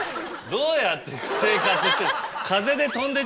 どうやって生活してる？